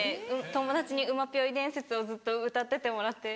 友達に『うまぴょい伝説』をずっと歌っててもらって。